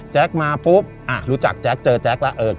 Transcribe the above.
แจ๊คมาปุ๊บอ่ารู้จักแจ๊คเจอแจ๊ค